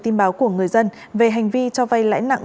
tin báo của người dân về hành vi cho vay lãi nặng